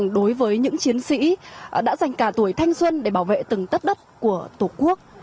đối với những chiến sĩ đã dành cả tuổi thanh xuân để bảo vệ từng tất đất của tổ quốc